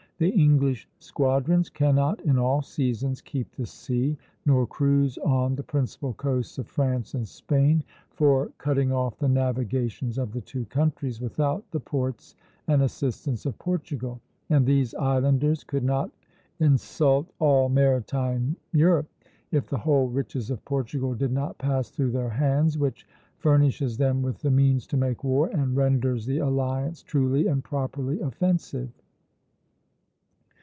The English squadrons cannot in all seasons keep the sea, nor cruise on the principal coasts of France and Spain for cutting off the navigation of the two countries, without the ports and assistance of Portugal; and these islanders could not insult all maritime Europe, if the whole riches of Portugal did not pass through their hands, which furnishes them with the means to make war and renders the alliance truly and properly offensive."